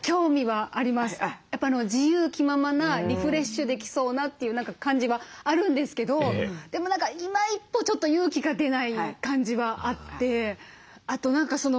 やっぱ自由気ままなリフレッシュできそうなっていう何か感じはあるんですけどでも何か今一歩ちょっと勇気が出ない感じはあって。